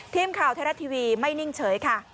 ทีมข่าวไทยรัฐทีวีไม่นิ่งเฉยค่ะ